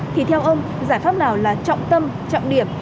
thì theo ông giải pháp nào là trọng tâm trọng điểm